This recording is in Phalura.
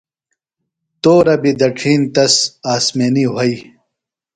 تورہ بیۡ دڇِھین تس آسمینی وھئی۔